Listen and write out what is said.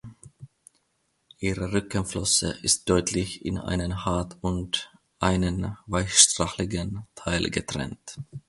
Ihre Rückenflosse ist deutlich in einen hart- und einen weichstrahligen Teil getrennt.